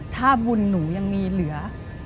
ถ้าบุญหนูยังมีเหลือ